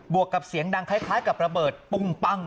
วกกับเสียงดังคล้ายกับระเบิดปุ้งปั้ง